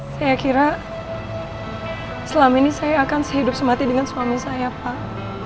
saya kira selama ini saya akan sehidup semati dengan suami saya pak